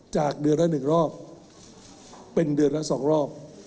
จากเดือนละ๑รอบเป็นเดือนละ๒รอบ